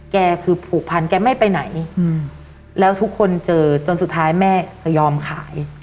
แกคือผูกพันแกไม่ไปไหนแล้วทุกคนเจอจนสุดท้ายแม่ยอมขาย